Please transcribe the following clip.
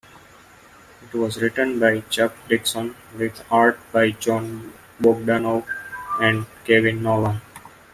It was written by Chuck Dixon, with art by Jon Bogdanove and Kevin Nowlan.